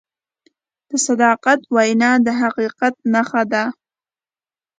د صداقت وینا د حقیقت نښه ده.